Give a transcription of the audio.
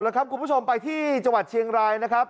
แล้วครับคุณผู้ชมไปที่จังหวัดเชียงรายนะครับ